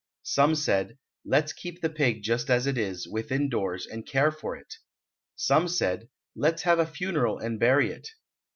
"Some said, 'Let's keep the pig just as it is, within doors, and care for it.' Some said, 'Let's have a funeral and bury it.'